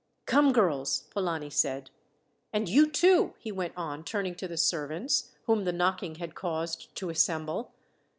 "Come, girls," Polani said. "And you, too," he went on, turning to the servants, whom the knocking had caused to assemble.